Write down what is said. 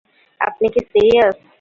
আপনি কি সিরিয়াস?